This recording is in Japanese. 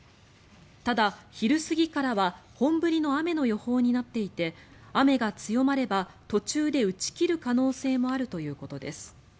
ただ、昼過ぎからは本降りの雨の予報になっていて雨が強まれば途中で打ち切る可能性もあるということです。